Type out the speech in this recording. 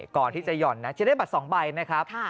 ก่อนที่จะห่อนนะจะได้บัตร๒ใบนะครับ